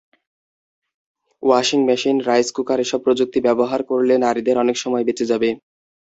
Washing machine, rice cooker এসব প্রযুক্তি ব্যবহার করলে নারীদের অনেক সময় বেঁচে যাবে।